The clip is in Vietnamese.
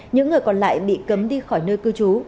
những người còn lại bị cấm đi khỏi nơi cư trú